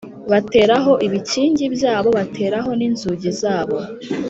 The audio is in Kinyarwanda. batera ibikingi byabo bateraho n inzugi zabo